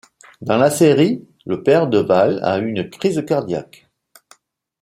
Dans la série, le père de Val a une crise cardiaque.